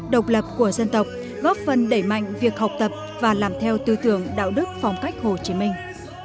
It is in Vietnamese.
độc lập của dân tộc góp phần đẩy mạnh việc học tập và làm theo tư tưởng đạo đức phong cách hồ chí minh